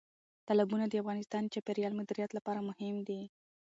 تالابونه د افغانستان د چاپیریال مدیریت لپاره مهم دي.